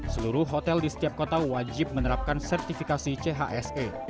seluruh hotel di setiap kota wajib menerapkan sertifikasi chse